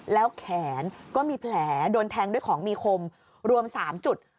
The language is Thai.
แล้วแขนก็มีแผลโดนแทงด้วยของมีคมรวม๓จุด